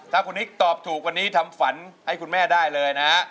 ถ้าคุณนิกตอบถูกวันนี้ทำฝันให้คุณแม่ได้เลยนะ